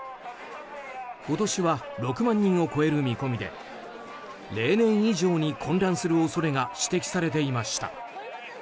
今年は６万人を超える見込みで例年以上に混乱する恐れが指摘されていました。